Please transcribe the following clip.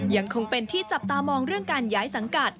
ยังคงเป็นที่จับตามองเรื่องการย้ายสังกัด